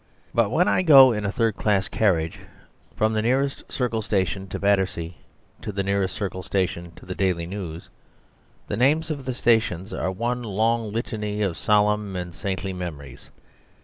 But when I go in a third class carriage from the nearest circle station to Battersea to the nearest circle station to the DAILY NEWS, the names of the stations are one long litany of solemn and saintly memories.